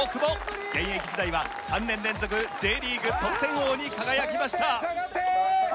現役時代は３年連続Ｊリーグ得点王に輝きました。